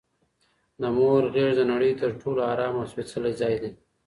د مور غیږ د نړۍ تر ټولو ارام او سپیڅلی ځای دی